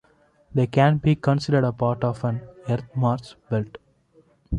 They can be considered a part of an Earth-Mars belt.